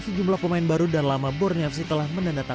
sejumlah pemain baru dan lama borneo fc telah menandatangani